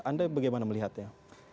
anda bagaimana melihatnya